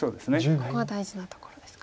ここは大事なところですか。